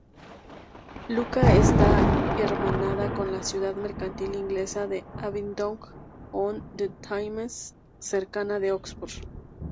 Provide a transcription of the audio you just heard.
Lucca está hermanada con la ciudad mercantil inglesa de Abingdon-on-Thames, cercana a Oxford.